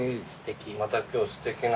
また今日すてきな。